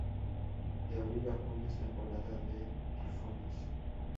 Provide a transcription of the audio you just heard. De abril a junio es temporada de tifones.